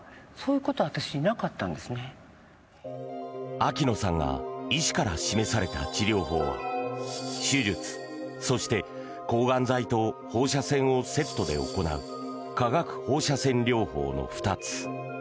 秋野さんが医師から示された治療法は手術、そして抗がん剤と放射線をセットで行う化学放射線療法の２つ。